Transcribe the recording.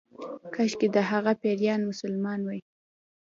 کشکې د هغې پيريان مسلمان وای